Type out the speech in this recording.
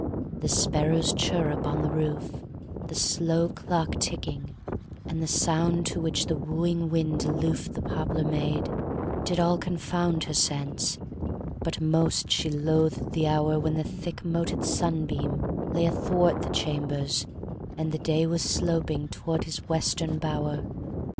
The sparrow's chirrup on the roof, The slow clock ticking, and the sound Which to the wooing wind aloof The poplar made, did all confound Her sense; but most she loathed the hour When the thick moted sunbeam lay Athwart the chambers, and the day Was sloping toward his western bower.